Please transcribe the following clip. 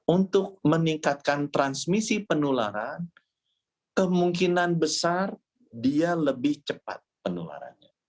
untuk meningkatkan transmisi penularan kemungkinan besar dia lebih cepat penularannya